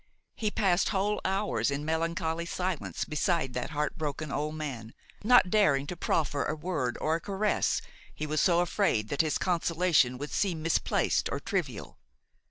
He passed whole hours in melancholy silence beside that heartbroken old man, not daring to proffer a word or a caress, he was so afraid that his consolation would seem misplaced or trivial.